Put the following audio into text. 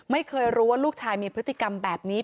ไม่รู้ว่าลูกชายมีพฤติกรรมแบบนี้